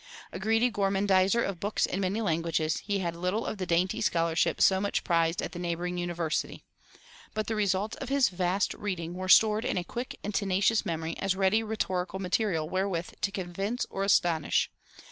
A greedy gormandizer of books in many languages, he had little of the dainty scholarship so much prized at the neighboring university. But the results of his vast reading were stored in a quick and tenacious memory as ready rhetorical material wherewith to convince or astonish.